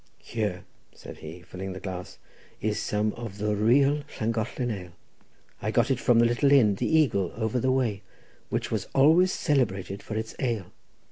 "Here," said he, filling the glass, "is some of the real Llangollen ale; I got it from the little inn, the Eagle, over the way, which was always celebrated for its ale.